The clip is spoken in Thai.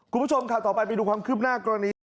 คุณผู้ชมข่าวต่อไปไปดูความคืบหน้ากรณี